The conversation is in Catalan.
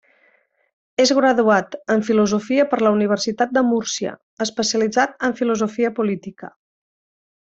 És graduat en filosofia per la Universitat de Múrcia, especialitzat en filosofia política.